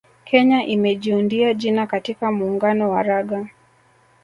Kenya imejiundia jina katika muungano wa raga